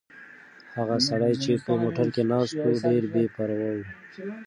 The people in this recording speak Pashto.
هغه سړی چې په موټر کې ناست و ډېر بې پروا و.